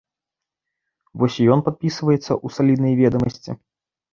Вось і ён падпісваецца ў саліднай ведамасці.